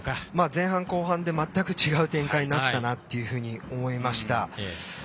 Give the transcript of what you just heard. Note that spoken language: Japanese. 前半、後半で全く違う展開になったなと思いました。